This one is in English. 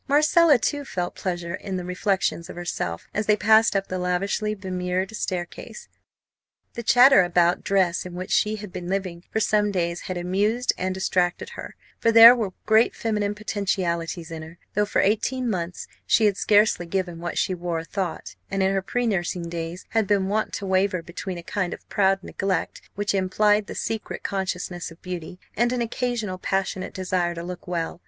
Marcella too felt pleasure in the reflections of herself as they passed up the lavishly bemirrored staircase. The chatter about dress in which she had been living for some days had amused and distracted her; for there were great feminine potentialities in her; though for eighteen months she had scarcely given what she wore a thought, and in her pre nursing days had been wont to waver between a kind of proud neglect, which implied the secret consciousness of beauty, and an occasional passionate desire to look well.